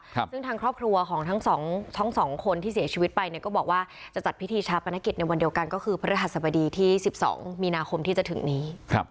ซึ่งทางครอบครัวของทั้งสองทั้งสองคนที่เสียชีวิตไปเนี่ยก็บอกว่าจะจัดพิธีชาปนกิจในวันเดียวกันก็คือพระฤหัสบดีที่สิบสองมีนาคมที่จะถึงนี้ครับ